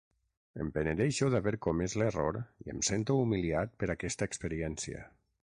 Em penedeixo d'haver comés l'error i em sento humiliat per aquesta experiència.